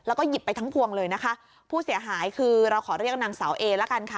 แล้วก็หยิบไปทั้งพวงเลยนะคะผู้เสียหายคือเราขอเรียกนางสาวเอละกันค่ะ